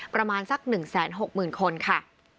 ประมาณสัก๑๖๐๐๐คนค่ะ